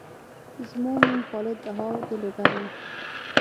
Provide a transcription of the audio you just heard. زما نوم خالد دهاو د لوګر یم